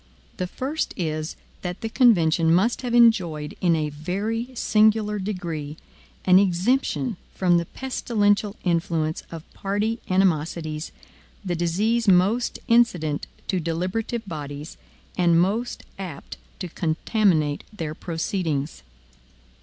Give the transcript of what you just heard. The first is, that the convention must have enjoyed, in a very singular degree, an exemption from the pestilential influence of party animosities the disease most incident to deliberative bodies, and most apt to contaminate their proceedings.